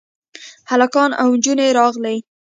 هلکان او نجونې راغلې.